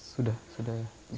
sudah sudah ya